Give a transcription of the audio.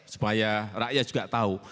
supaya rakyat juga tahu